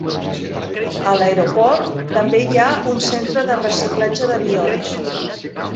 A l"aeroport també hi ha un centre de reciclatge d"avions.